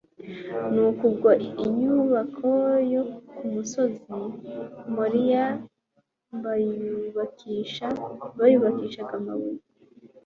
nuko, ubwo inyubako yo ku musozi moriya bayubakishaga amabuye